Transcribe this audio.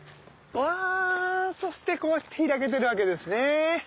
うわそしてこうやって開けてるわけですね。